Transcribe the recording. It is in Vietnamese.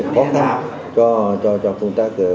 khó khăn cho chúng ta